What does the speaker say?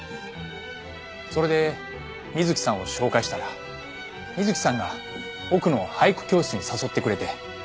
それで美月さんを紹介したら美月さんが奥野を俳句教室に誘ってくれて。